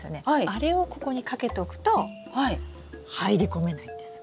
あれをここにかけとくと入り込めないんです。